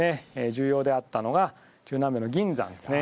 重要であったのが中南米の銀山ですね